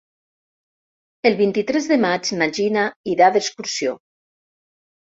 El vint-i-tres de maig na Gina irà d'excursió.